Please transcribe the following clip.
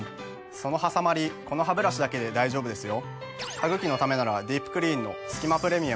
そのはさまりこのハブラシだけで大丈夫ですよ。